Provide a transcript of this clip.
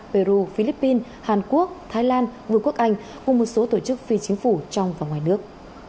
peru philippines hàn quốc thái lan vương quốc anh cùng một số tổ chức phi chính phủ trong và ngoài nước